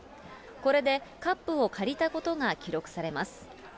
これでカップを借りたことが記録されます。